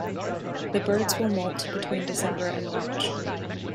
The birds will moult between December and March.